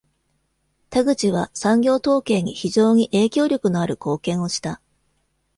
タグチは産業統計に非常に影響力のある貢献をした。